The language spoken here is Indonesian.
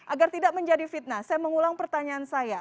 agar tidak menjadi fitnah saya mengulang pertanyaan saya